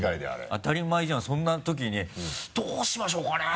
当たり前じゃんそんな時に「どうしましょうかねぇ」